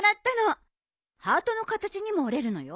ハートの形にも折れるのよ。